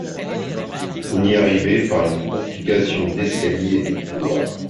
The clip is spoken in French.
On y arrivait par une complication d'escaliers et de couloirs.